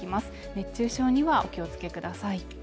熱中症にはお気をつけください。